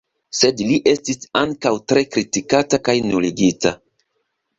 Sed li estis ankaŭ tre kritikata kaj nuligita.